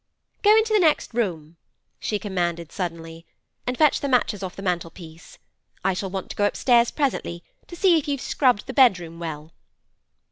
'Go into the next room,' she commanded suddenly, 'and fetch the matches off of the mantel piece. I shall want to go upstairs presently, to see if you've scrubbed the bedroom well.